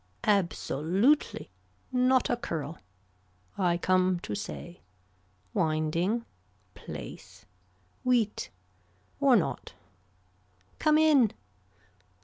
Absolutely. Not a curl. I come to say. Winding. Place. Wheat. Or not. Come in.